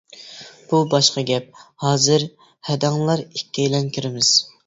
-بۇ باشقا گەپ، ھازىر ھەدەڭلار ئىككىيلەن كىرىمىز.